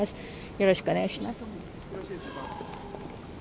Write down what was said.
よろしくお願いします。